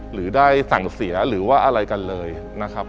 หรือได้สั่งเสียหรือว่าอะไรกันเลยนะครับ